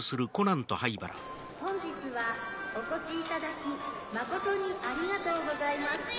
本日はお越しいただき誠にありがとうございます。